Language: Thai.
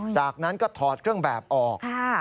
จากนั้นก็ถอดเครื่องแบบออก